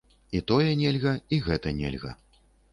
І тое нельга, і гэта нельга.